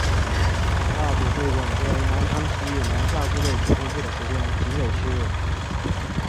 大埔会馆作为南昌起义南下部队指挥部的时间仅有七日。